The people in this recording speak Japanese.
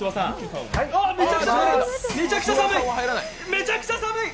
めちゃくちゃ寒い！